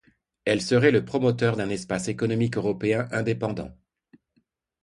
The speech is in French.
Elle serait le promoteur d'un espace économique européen indépendant.